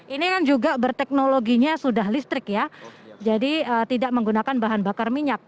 ini kan juga berteknologinya sudah listrik ya jadi tidak menggunakan bahan bakar minyak